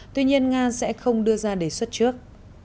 tuy nhiên nga sẽ không đưa ra đề xuất trước